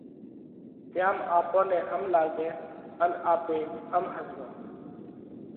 تيام آپون نئہ هم لاڳئه ان آپي هم ۿزمونه۔